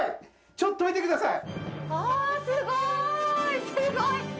ちょっと見てください。